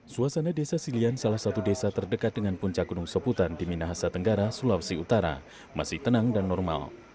suasana desa silian salah satu desa terdekat dengan puncak gunung soputan di minahasa tenggara sulawesi utara masih tenang dan normal